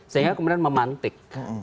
sehingga kemudian memantik